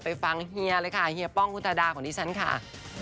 ฟังเฮียเลยค่ะเฮียป้องคุณตาดาของดิฉันค่ะ